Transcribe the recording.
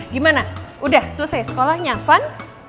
gimana udah selesai sekolahnya fun